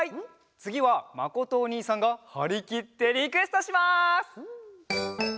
つぎはまことおにいさんがはりきってリクエストします！